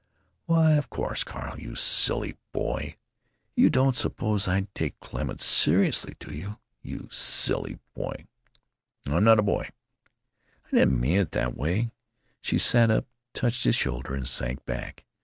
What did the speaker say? "Why! of course, Carl, you silly boy! You don't suppose I'd take Clements seriously, do you? You silly boy!" "I'm not a boy." "I don't mean it that way." She sat up, touched his shoulder, and sank back.